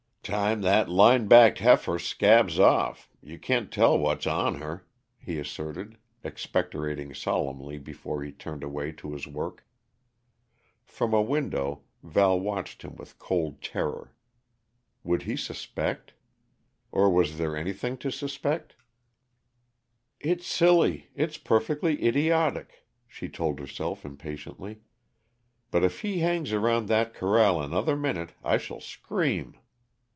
"Time that line backed heifer scabs off, you can't tell what's on her," he asserted, expectorating solemnly before he turned away to his work. Prom a window, Val watched him with cold terror. Would he suspect? Or was there anything to suspect? "It's silly it's perfectly idiotic," she told herself impatiently; "but if he hangs around that corral another minute, I shall scream!"